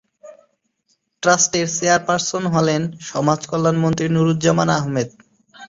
ট্রাস্টের চেয়ারপার্সন হলেন সমাজ কল্যাণ মন্ত্রী নুরুজ্জামান আহমেদ।